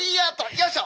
よいしょ！